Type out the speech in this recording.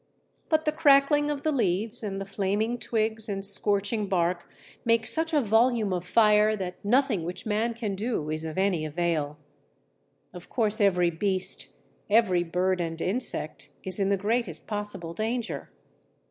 But the crackling of the leaves and the flaming twigs and scorching bark make such a volume of fire that nothing which man can do is of any avail. Of course every beast, every bird and insect is in the greatest possible danger.